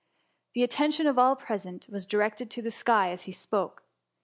The attention of all present was directed to the Aky as he spoke.